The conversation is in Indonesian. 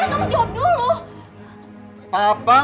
apa benar kata papa